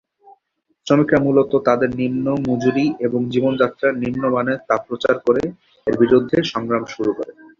শ্রমিকরা মূলত তাদের নিম্ন মজুরি এবং জীবনযাত্রার নিম্ন মানের তা প্রচার করে এর বিরুদ্ধে সংগ্রাম শুরু করে।